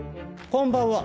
こんばんは。